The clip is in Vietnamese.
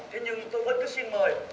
thế nhưng tôi vẫn cứ xin mời